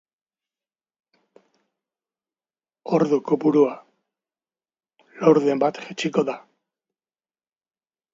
Sindikatuek, halaber, liberatuen ordu-kopurua, kostuak eta izen-abizenak argitaratu beharko dituzte.